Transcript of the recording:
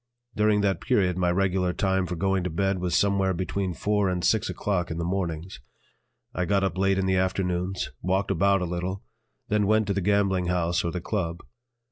During that period my regular time for going to bed was somewhere between four and six o'clock in the mornings. I got up late in the afternoons, walked about a little, then went to the gambling house or the "Club."